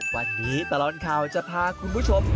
วันนี้ตลอดข่าวจะพาคุณผู้ชม